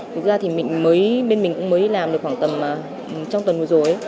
thực ra thì mới bên mình cũng mới làm được khoảng tầm trong tuần vừa rồi